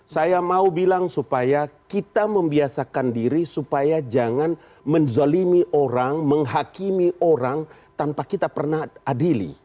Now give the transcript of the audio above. saya mau bilang supaya kita membiasakan diri supaya jangan menzalimi orang menghakimi orang tanpa kita pernah adili